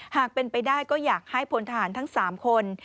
หากเป็นไปได้ก็อยากให้พลทหารทั้ง๓คน